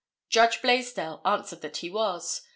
Judge Blaisdell answered that he was.